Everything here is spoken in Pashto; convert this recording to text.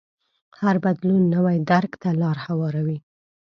هر بدلون نوي درک ته لار هواروي.